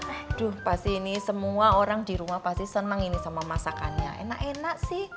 aduh pasti ini semua orang di rumah pasti senang ini sama masakannya enak enak sih